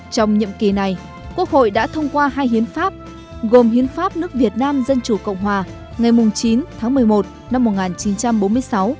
trong nhiệm kỳ này quốc hội đã thông qua hai hiến pháp gồm hiến pháp nước việt nam dân chủ cộng hòa ngày chín tháng một mươi một năm một nghìn chín trăm bốn mươi sáu